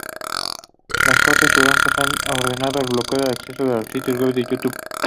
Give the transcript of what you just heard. Las cortes turcas han ordenado el bloqueo al acceso al sitio web de YouTube.